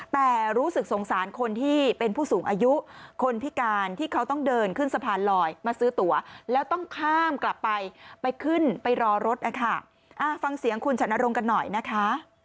แต่รู้สึกสงสารคนที่เป็นผู้สูงอายุคนพิการที่เขาต้องเดินขึ้นสะพานลอยมาซื้อตัวแล้วต้องข้ามกลับไปไปขึ้นไปรอรถนะคะฟังเสียงคุณฉันนรงค์กันหน่อยนะคะ